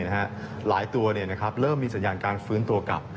หลายตัวเริ่มมีสัญญาณการฟื้นตัวกลับ